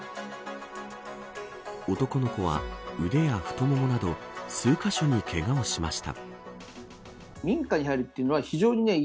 男の子は、腕や太ももなど数カ所にけがをしました。